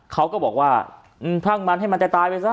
เขาก็บอกว่าช่างมันให้มันจะตายไปซะ